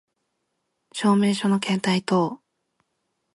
証明書の携帯等